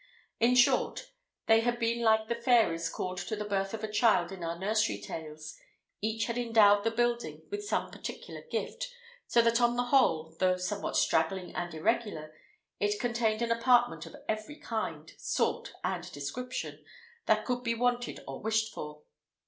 In short, they had been like the fairies called to the birth of a child in our nursery tales; each had endowed the building with some particular gift, so that on the whole, though somewhat straggling and irregular, it contained an apartment of every kind, sort, and description, that could be wanted or wished for.